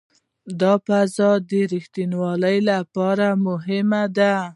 دا د فضا د ریښتینولي لپاره مهم دی.